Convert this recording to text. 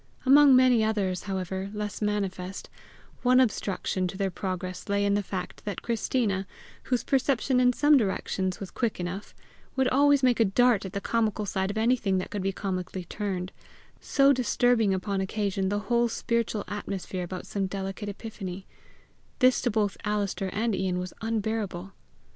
Among many others, however, less manifest, one obstruction to their progress lay in the fact that Christina, whose perceptions in some directions was quick enough, would always make a dart at the comical side of anything that could be comically turned, so disturbing upon occasion the whole spiritual atmosphere about some delicate epiphany: this to both Alister and Ian was unbearable.